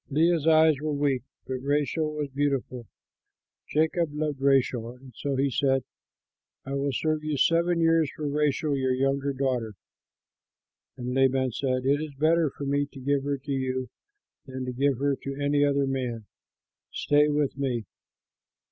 Leah's eyes were weak, but Rachel was beautiful. Jacob loved Rachel, and so he said, "I will serve you seven years for Rachel your younger daughter." And Laban said, "It is better for me to give her to you than to give her to any other man. Stay with me."